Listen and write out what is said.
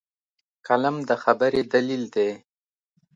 قلم د خبرې دلیل دی